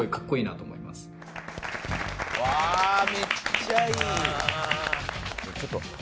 わあめっちゃいい。